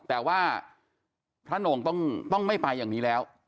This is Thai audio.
แต่ว่าท่านองค์ต้องไม่ไปอย่างนี้แล้ว